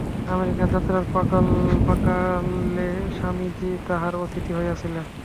America যাত্রার প্রাক্কালে স্বামীজী তাঁহার অতিথি হইয়াছিলেন।